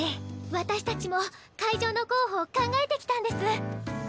私たちも会場の候補考えてきたんです。